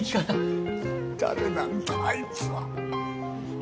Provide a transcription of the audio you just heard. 誰なんだあいつは。